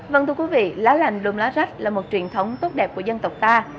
vâng thưa quý vị lá lành đùm lá rách là một truyền thống tốt đẹp của dân tộc ta